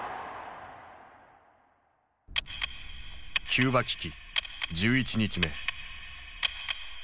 キューバ危機１１日目。